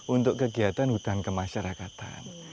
untuk kegiatan hutan kemasyarakatan